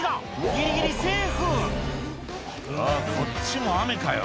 ギリギリセーフ「うわこっちも雨かよ